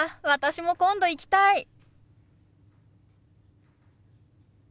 私も今度行きたい！